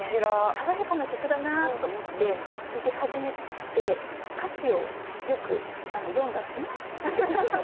爽やかな曲だなと思って聴き始めて歌詞をよく読んだら「うん？」っていう。